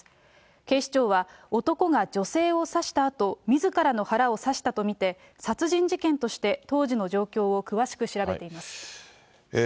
警視庁は、男が女性を刺したあと、みずからの腹を刺したと見て殺人事件として、当時の状況を詳しく調べています。